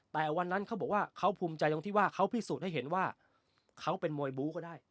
แต่วันนั้นเขาบอกว่าเขาภูมิใจตรงที่ว่าเขาพิสูจน์ให้เห็นว่าเขาเป็นมวยบู้ก็ได้